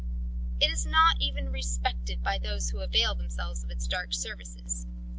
It is not even respected by those who avail themselves of its dark services.